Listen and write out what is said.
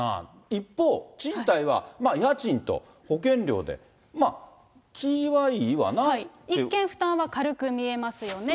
一方、賃貸は家賃と保険料で、まあ、一見負担は軽く見えますよね。